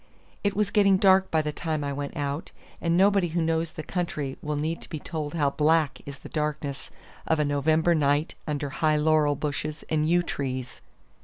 It was getting dark by the time I went out, and nobody who knows the country will need to be told how black is the darkness of a November night under high laurel bushes and yew trees.